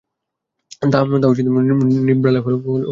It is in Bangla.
তা হলে নৃপবালাই হলেন মেজো।